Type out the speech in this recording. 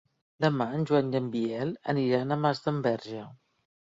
Demà en Joan i en Biel aniran a Masdenverge.